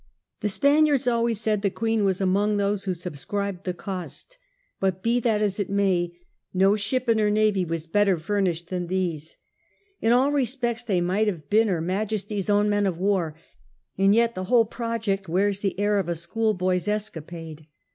The Spaniards always said the Queen was among those who subscribed the cost^ but be that as it may, no ship in her navy was better furnished than these. In all respects they might have been Her II HIS LAIR DISCOVERED 21 Majesty's own men of war, and yet the whole project wears the air of a schoolboy's escapade.